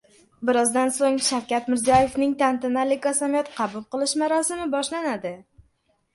Birozdan so‘ng Shavkat Mirziyoyevning tantanali qasamyod qabul qilish marosimi boshlanadi